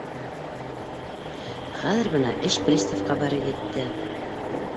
Хәҙер бына эш приставҡа барып етте.